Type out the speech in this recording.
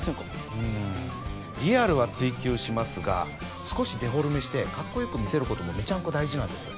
うんリアルは追求しますが少しデフォルメしてカッコよく見せることもメチャンコ大事なんです